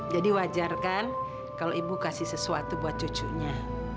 jadi wajar kan kalau ibu kasih sesuatu buat cucunya